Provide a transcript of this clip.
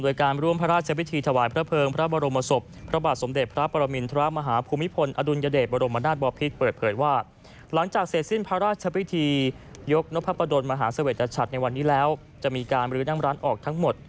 ยกนพระประดนมหาเสวริตชัดในวันนี้แล้วจะมีการลื้อนั่งร้านออกทั้งหมด